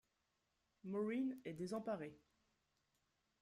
Maureen est désemparée.